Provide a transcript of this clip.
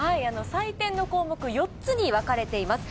採点の項目４つに分かれています。